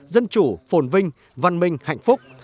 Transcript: dân chủ phồn vinh văn minh hạnh phúc